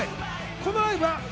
このライブはＢ